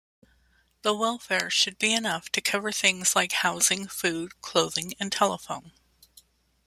The welfare should be enough to cover things like housing, food, clothing and telephone.